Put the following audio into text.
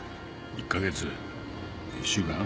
１か月１週間？